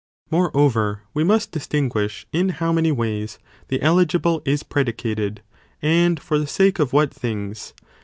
Moreover, we must distinguish in how many ways the eligible is predicated, and for the sake how ey ως of what things